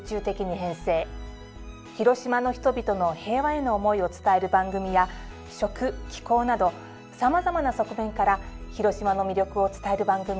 広島の人々の平和への思いを伝える番組や食・紀行などさまざまな側面から広島の魅力を伝える番組を放送しました。